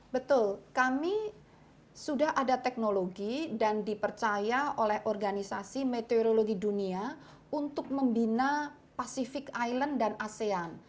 betul kami sudah ada teknologi dan dipercaya oleh organisasi meteorologi dunia untuk membina pacific island dan asean